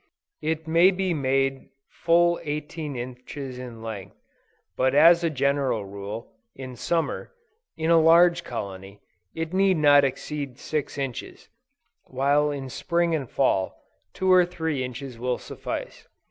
It may be made full 18 inches in length, but as a general rule, in Summer, in a large colony, it need not exceed six inches: while in Spring and Fall, two or three inches will suffice.